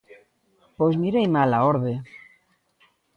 Pois mirei mal a orde.